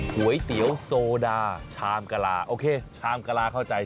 ก๋วยเตี๋ยวโซดาชามกะลาโอเคชามกะลาเข้าใจ